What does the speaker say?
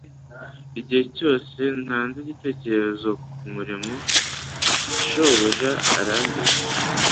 Igihe cyose ntanze igitekerezo kumurimo, shobuja arandenze